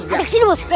ajak ke sini bos